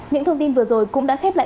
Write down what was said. những thông tin vừa rồi cũng đã khép lại